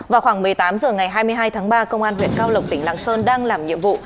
vào khoảng một mươi tám h ngày hai mươi hai tháng ba công an huyện cao lộc tỉnh lạng sơn đang làm nhiệm vụ